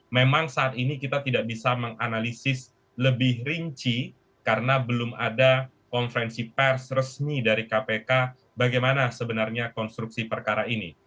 memang saat ini kita tidak bisa menganalisis lebih rinci karena belum ada konferensi pers resmi dari kpk bagaimana sebenarnya konstruksi perkara ini